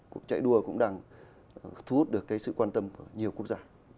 cuộc chạy đua cũng đang thu hút được sự quan tâm của nhiều quốc gia